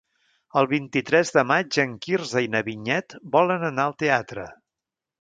El vint-i-tres de maig en Quirze i na Vinyet volen anar al teatre.